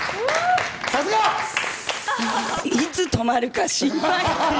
さいつ止まるか心配で。